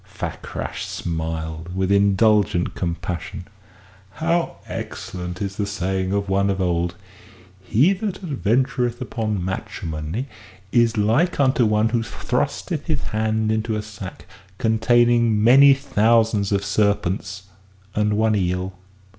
Fakrash smiled with indulgent compassion. "How excellent is the saying of one of old: 'He that adventureth upon matrimony is like unto one who thrusteth his hand into a sack containing many thousands of serpents and one eel.